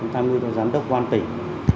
tham nhu cho giám đốc quan tỉnh